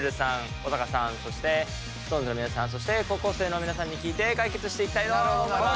小高さんそしてＳｉｘＴＯＮＥＳの皆さんそして高校生の皆さんに聞いて解決していきたいと思います。